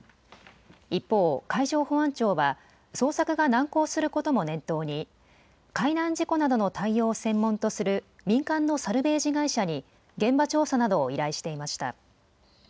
一方、海上保安庁は、捜索が難航することも念頭に、海難事故などの対応を専門とする民間のサルベージ会社に現場調査などを依頼していました。